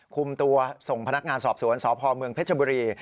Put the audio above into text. คุมตัวส่งพนักงานสอบสวนสพเมืองเพชรบุรี